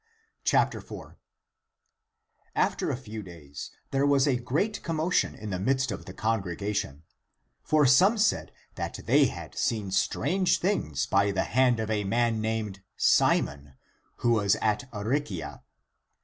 4. ^^ After a few days there was a great com motion in the midst of the congregation, for (some) said that they had seen strange things by the hand of a man named Simon, who was at Aricia.